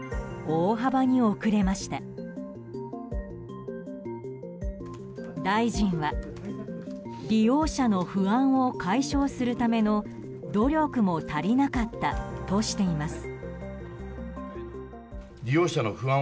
大臣は利用者の不安を解消するための努力も足りなかったとしています。